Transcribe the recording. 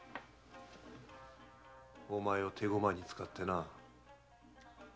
おまえを手駒に使ってな。